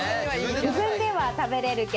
自分では食べれるけど。